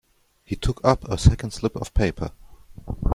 He took up a second slip of paper.